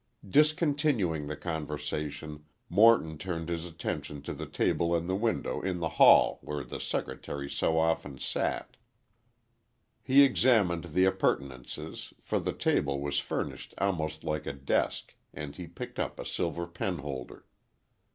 Discontinuing the conversation, Morton turned his attention to the table in the window in the hall where the secretary so often sat. He examined the appurtenances, for the table was furnished almost like a desk, and he picked up a silver penholder.